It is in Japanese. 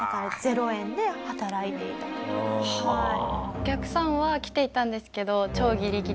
お客さんは来ていたんですけど。